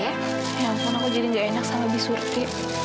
ya ampun aku jadi gak enak sama bisurti